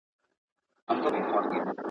پانګه د صنعت د پراخېدو لپاره کارول کېږي.